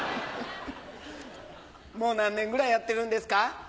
もう何年ぐらいやってるんですか？